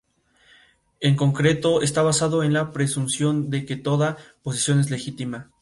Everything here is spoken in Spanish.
En concreto, está basado en la presunción de que toda posesión es legítima.